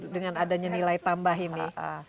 dengan adanya nilai tambah ini